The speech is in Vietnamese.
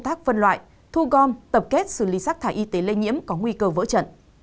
thu gom tập kết xử lý rác thải y tế lây nhiễm có nguy cơ vỡ trận